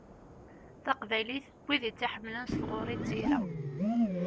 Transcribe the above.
Taqbaylit n wid i tt-ḥemmlen s tɣuri d tira.